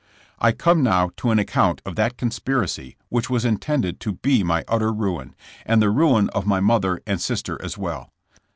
I come now to an account of that conspiracy which was intended to be my utter ruin, and the ruin of my mother and sister as well.